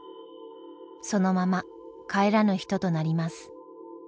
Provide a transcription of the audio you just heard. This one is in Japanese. そのまま帰らぬ人となります。